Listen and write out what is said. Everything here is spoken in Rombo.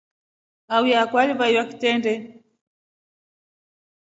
Auye akwa alivaiwa kitendee.